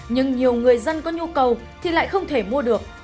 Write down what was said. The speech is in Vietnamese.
nhưng nhiều người dân có nhu cầu thì lại không thể mua được